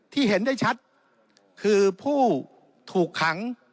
เห็นได้ชัดคือผู้ถูกขัง